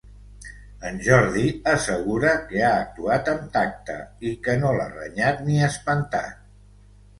En Jordi assegura que ha actuat amb tacte i que no l’ha renyat ni espantat.